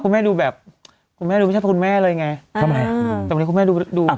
คุณแม่ดูไม่ใช่คุณแม่เลยไงอ่าแต่วันนี้คุณแม่ดูอ่า